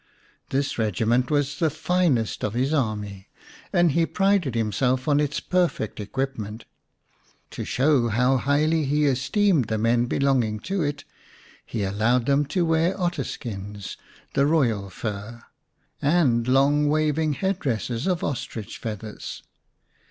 This regiment was the finest of his army, and he prided himself on its perfect equipment. To show how highly he 132 xi The Cock's Kraal esteemed the men belonging to it, he allowed them to wear otter skins, the royal fur, and long waving head dresses of ostrich feathers.